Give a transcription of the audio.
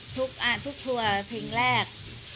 ทุกทัวร์เพลงแรก